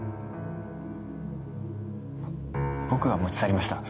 僕が持ち去りました。